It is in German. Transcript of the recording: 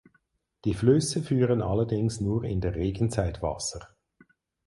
Die Flüsse führen allerdings nur in der Regenzeit Wasser.